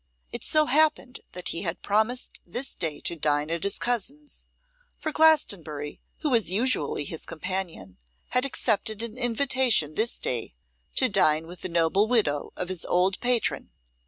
It so happened that he had promised this day to dine at his cousin's; for Glastonbury, who was usually his companion, had accepted an invitation this day to dine with the noble widow of his old patron.